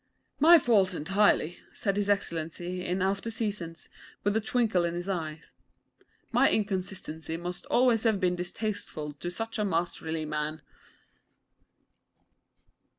'My fault entirely,' said His Excellency, in after seasons, with a twinkle in his eye. 'My inconsistency must always have been distasteful to such a masterly man.'